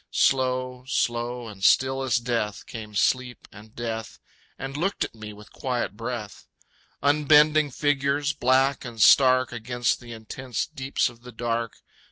Slow, slow, And still as Death, came Sleep and Death And looked at me with quiet breath. Unbending figures, black and stark Against the intense deeps of the dark.